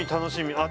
あっ